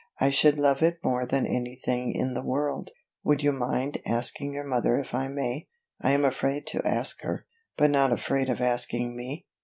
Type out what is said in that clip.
"I should love it more than anything in the world; would you mind asking your mother if I may? I am afraid to ask her." "But not afraid of asking me?"